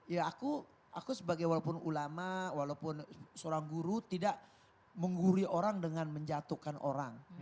ya aku aku sebagai walaupun ulama walaupun seorang guru tidak mengguri orang dengan menjatuhkan orang